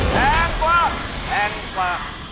แพงกว่าแพงกว่า